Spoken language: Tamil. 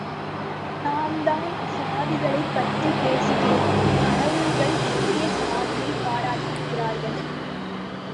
நாம்தான் சாதிகளைப் பற்றிப் பேசுகிறோம் கடவுள்கள் எங்கே சாதியைப் பாராட்டுகிறார்கள்.